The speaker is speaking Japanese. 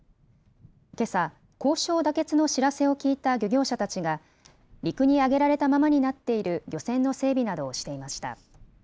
けさ、交渉妥結の知らせを聞いた漁業者たちが、陸に揚げられたままになっている漁船の整備などをしていました。